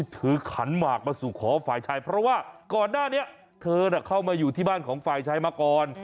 เธอเข้ามาอยู่ที่บ้านของฝ่ายชายมาก่อน